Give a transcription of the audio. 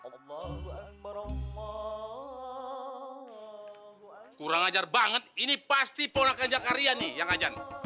kurang ajar banget ini pasti ponak anjak arya nih yang ajan